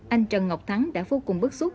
anh trần ngọc thắng đã vô cùng bức xúc